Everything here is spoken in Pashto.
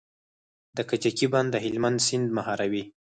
د کجکي بند د هلمند سیند مهاروي